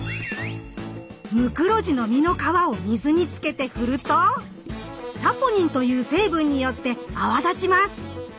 ムクロジの実の皮を水につけて振ると「サポニン」という成分によって泡立ちます。